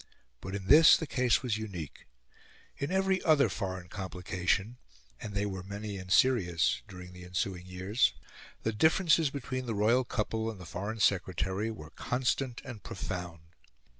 But in this the case was unique. In every other foreign complication and they were many and serious during the ensuing years, the differences between the royal couple and the Foreign Secretary were constant and profound.